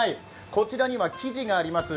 こちらには生地があります。